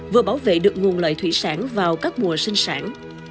vừa bảo vệ được nguồn lợi thủy sản vào các mùa sinh sản